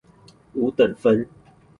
五等分